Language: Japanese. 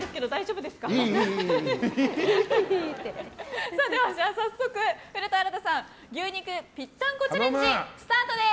では、早速、古田新太さん牛肉ぴったんこチャレンジスタートです！